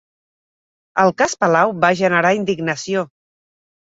El cas Palau va generar indignació